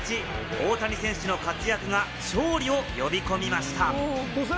大谷選手の活躍が勝利を呼び込みました。